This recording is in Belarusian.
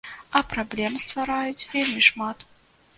А праблем ствараюць вельмі шмат.